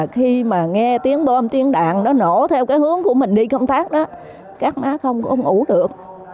khi mà nghe tiếng bom tiếng đạn nó nổ theo cái hướng của mình đi công tác đó các má không ủ được